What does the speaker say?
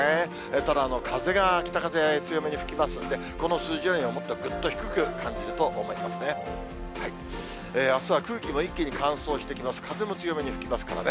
ただ、風が北風、強めに吹きますんで、この数字よりはもっとぐっと低く感じると思いますね。